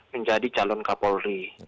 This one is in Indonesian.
menjadi calon kapolri